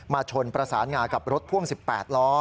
ชนประสานงากับรถพ่วง๑๘ล้อ